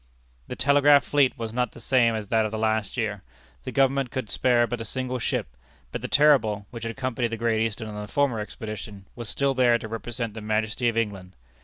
The Telegraph fleet was not the same as that of the last year. The Government could spare but a single ship; but the Terrible, which had accompanied the Great Eastern on the former expedition, was still there to represent the majesty of England.